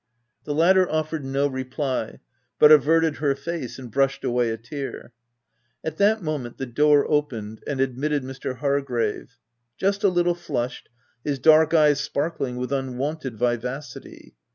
The latter offered no reply, but averted her face and brushed away a tear. At that moment the door opened and admitted Mr. Hargrave ; just a little flushed, his dark eyes sparkling with unwonted vivacity.